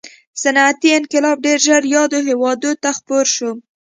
صنعتي انقلاب ډېر ژر یادو هېوادونو ته خپور شو.